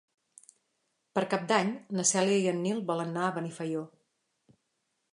Per Cap d'Any na Cèlia i en Nil volen anar a Benifaió.